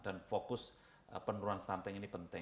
dan fokus penurunan stunting ini penting